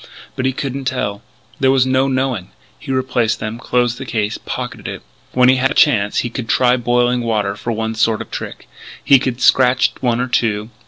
But he couldn't tell; there was no knowing. He replaced them, closed the case, pocketed it. When he had a chance he could try boiling water for one sort of trick. He could scratch one or two....